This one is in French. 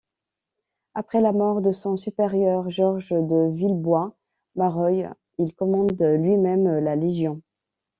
Après la mort de son supérieur Georges de Villebois-Mareuil, il commande lui-même la légion.